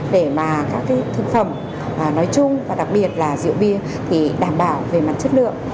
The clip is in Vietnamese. để mà các thực phẩm nói chung và đặc biệt là rượu bia thì đảm bảo về mặt chất lượng